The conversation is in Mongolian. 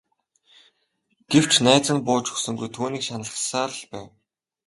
Гэвч найз нь бууж өгсөнгүй түүнийг шаналгасаар л байв.